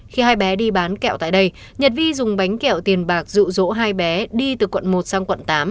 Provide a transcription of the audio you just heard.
khi hai bé đi bán kẹo tại đây nhật vi dùng bánh kẹo tiền bạc rụ rỗ hai bé đi từ quận một sang quận tám